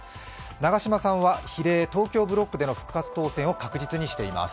長島さんは比例東京ブロックでの当選を確実にしています。